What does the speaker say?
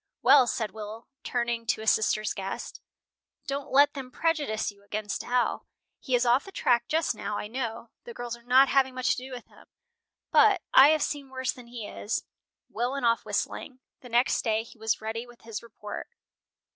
"Well," said Will, turning to his sister's guest, "don't let them prejudice you against Al. He is off the track just now, I know. The girls are not having much to do with him, but I have seen worse than he is." Will went off whistling. The next day he was ready with his report.